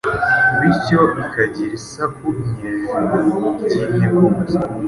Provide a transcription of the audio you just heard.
bityo ikagira isaku nyejuru ry’integuza